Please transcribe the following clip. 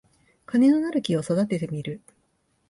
金のなる木を育ててみる